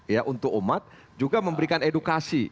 ya untuk umat juga memberikan edukasi